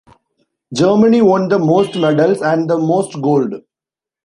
Germany won the most medals and the most gold.